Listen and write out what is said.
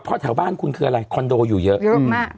เพราะแถวบ้านคุณคืออะไรคอนโดอยู่เยอะมาก